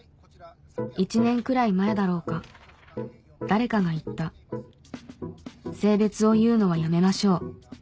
１年くらい前だろうか誰かが言った「性別を言うのはやめましょう」